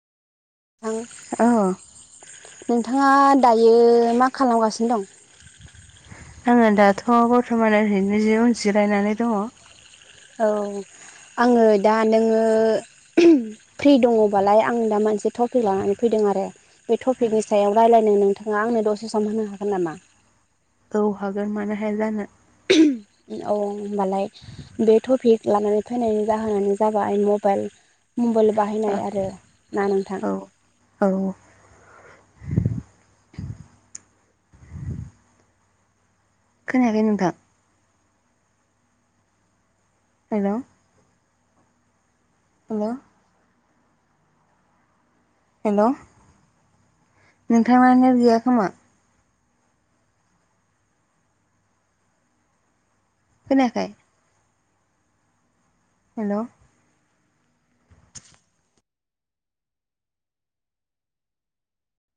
थां औ नोंथाङा दायो मा खालामगासिनो दं आङो दाथ' बरथमान ओरैनो जि उन जिरायनानै दङ औ आङो दा नोङो फ्रि दङबालाय आं दा मोनसे टपिक लानानै फैदों आरो बे टपिकनि सायाव रायज्लायनो नोंथाङा आंनो दसे सम होनो हागोन नामा औ हागोन मानो हाया जानो औ होमबालाय बे टपिक लानानै फैनायनि जाहोनानो जाबाय मबाइल मबाइल बाहायनाय आरो ना नोंथां औ औ [inaudible] खोनायाखै नोंथां हेलौ हेलौ हेलौ नोंथांना नेथ गैया खोमा खोनायाखै हेलौ